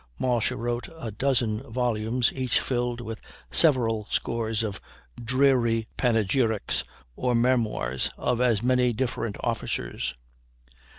Marshall wrote a dozen volumes, each filled with several scores of dreary panegyrics, or memoirs of as many different officers.